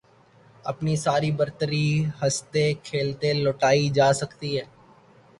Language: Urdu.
اپنی ساری برتری ہنستے کھیلتے لُٹائی جا سکتی ہے